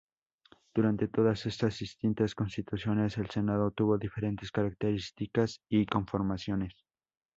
Durante todas estas distintas constituciones el Senado tuvo diferentes características y conformaciones.